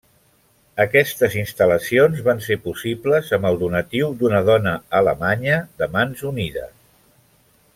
Aquestes instal·lacions van ser possibles amb el donatiu d'una dona alemanya de Mans Unides.